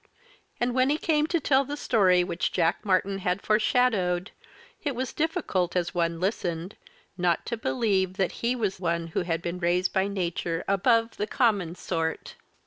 And when he came to tell the story which Jack Martyn had foreshadowed, it was difficult, as one listened, not to believe that he was one who had been raised by nature above the common sort.